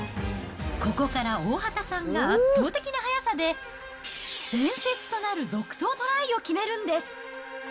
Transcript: ここから大畑さんが圧倒的な速さで伝説となる独走トライを決めるんです。